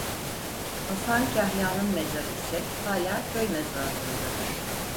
Hasan Kahya'nın mezarı ise hala köy mezarlığındadır.